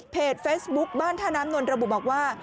เพจเฟซบุ๊คบ้านท่าน้ำนท์นทบุรีค่ะบอกว่า